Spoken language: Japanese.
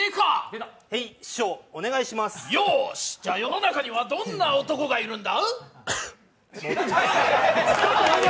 世の中にはどんな男がいるんだ？